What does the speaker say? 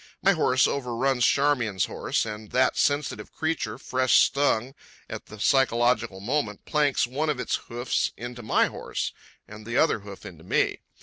My horse overruns Charmian's horse, and that sensitive creature, fresh stung at the psychological moment, planks one of his hoofs into my horse and the other hoof into me.